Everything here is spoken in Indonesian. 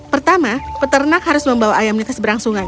pertama peternak harus membawa ayamnya keseberang sungai